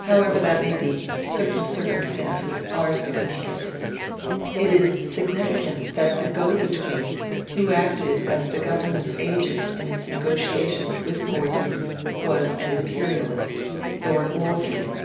However that may be, certain circumstances are significant. It is significant that the go between who acted as the Government's agent in its negotiations with Gordon was an imperialist Lord Wolseley.